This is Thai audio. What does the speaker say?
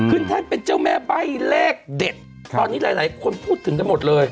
แท่นเป็นเจ้าแม่ใบ้เลขเด็ดตอนนี้หลายคนพูดถึงกันหมดเลย